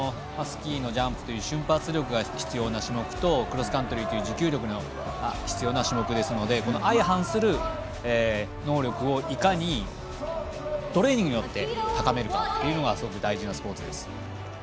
スキーのジャンプという瞬発力が必要な種目とクロスカントリーという持久力が必要な種目ですので相反する能力をいかにトレーニングによって高めるかっていうのがすごく大事なスポーツです。